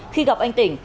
khi gặp anh tỉnh